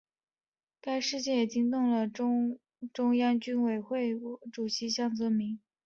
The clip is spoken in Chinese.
该事件也惊动了中央军事委员会主席江泽民。